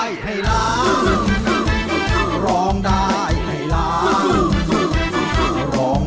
เย้